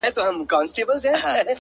د ژوند په څو لارو كي;